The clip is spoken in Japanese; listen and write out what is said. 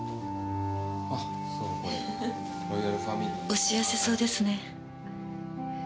お幸せそうですね。